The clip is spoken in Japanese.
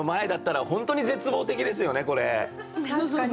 確かに。